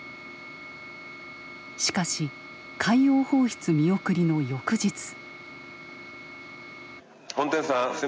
しかし海洋放出見送りの翌日。